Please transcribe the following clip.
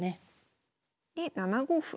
で７五歩。